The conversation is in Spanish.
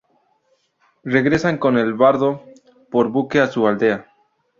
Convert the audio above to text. Regresan con el bardo por buque a su aldea.